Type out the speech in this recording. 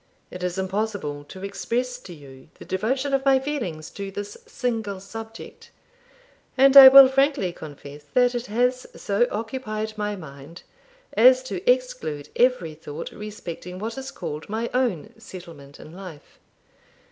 It is impossible to express to you the devotion of my feelings to this single subject; and I will frankly confess that it has so occupied my mind as to exclude every thought respecting what is called my own settlement in life.